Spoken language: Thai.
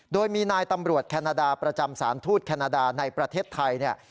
โดยมีนายตำรวจแคนาดาประจำสารทูตแคนาดาในประเทศไทยเนี่ย